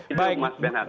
itu mas benhart